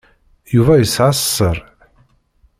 Yuba yesɛa sser.